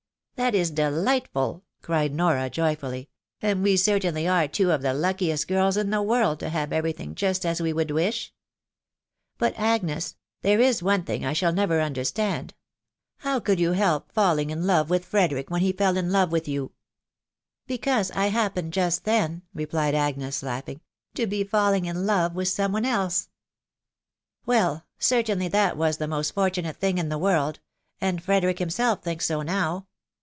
" That is delightful !" cried Nora, joyfully ;'* and we cer tainly are two of the luckiest girls in the world to have every thing just as we would wish .... But, Agnes, there is one thing I shall never understand .... How could you help fall ing in lore with Frederick when he fell in love with you ?" Ci Because I happened just then," replied Agnes, laughing, €€ to' be falling in love with some one else." " Well ! certainly that was the most fortunate thing in the world .... and Frederick himself thinks so now.